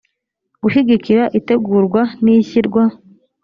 gushyigikira itegurwa n ishyirwa